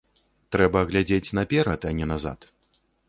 Трэба глядзець наперад, а не назад.